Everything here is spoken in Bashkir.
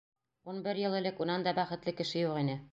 Ун бер йыл элек унан да бәхетле кеше юҡ ине.